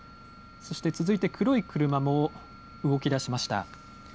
そして続いて黒い車も動きだしました。